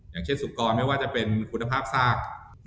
อย่างเช่นสุกรไม่ว่าจะเป็นคุณภาพซาก